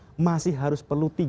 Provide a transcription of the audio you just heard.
dan menerima selainan putusan